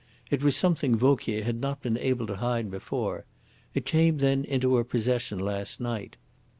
It was something Vauquier had not been able to hide before. It came, then, into her possession last night.